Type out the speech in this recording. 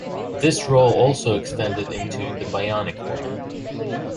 This role also extended into "The Bionic Woman".